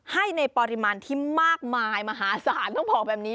ให้ในปริมาณที่มากมายมหาศาลต้องบอกแบบนี้